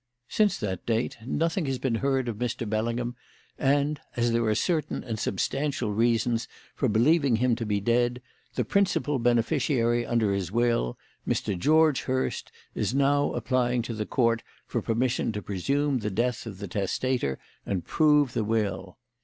Since that date nothing has been heard of Mr. Bellingham, and, as there are certain substantial reasons for believing him to be dead, the principal beneficiary under his will, Mr. George Hurst, is now applying to the Court for permission to presume the death of the testator and prove the will.